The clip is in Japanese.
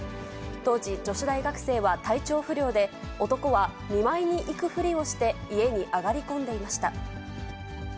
当時、女子大学生は体調不良で、男は見舞いに行くふりをして家に上がり込んでいました。